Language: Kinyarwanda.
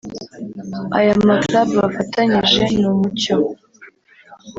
Ayo maclub bafatanyije ni Umucyo